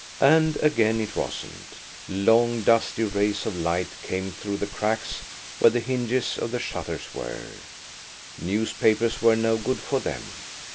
And again it wasn't! Long, dusty rays of light came through the cracks where the hinges of the shutters were. Newspapers were no good for them.